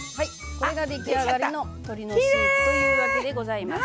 これが出来上がりの鶏のスープというわけでございます。